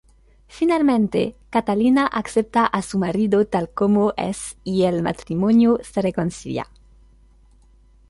Finalmente, Catalina acepta a su marido tal como es y el matrimonio se reconcilia.